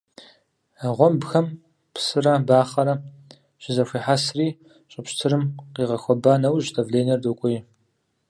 А гъуэмбхэм псырэ бахъэрэ щызэхуехьэсри, щӀы пщтырым къигъэхуэба нэужь, давленэр докӀуей.